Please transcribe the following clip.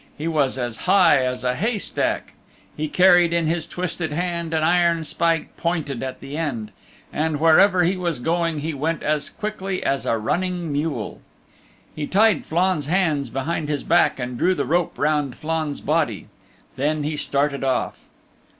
He was as high as a haystack. He carried in his twisted hand an iron spike pointed at the end. And wherever he was going he went as quickly as a running mule. He tied Flann's hands behind his back and drew the rope round Flann's body. Then he started off.